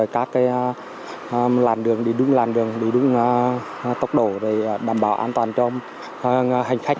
các làn đường đi đúng làn đường đi đúng tốc độ để bảo đảm an toàn cho hành khách